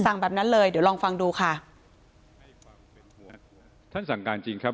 แบบนั้นเลยเดี๋ยวลองฟังดูค่ะท่านสั่งการจริงครับ